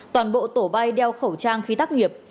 toàn bộ tổ bay đeo khẩu trang khi tác nghiệp